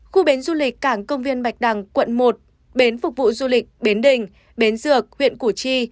khu bến du lịch cảng công viên bạch đằng quận một bến phục vụ du lịch bến đình bến dược huyện củ chi